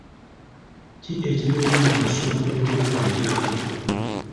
Ki ekibeera mu masomo g'okwekwatirako?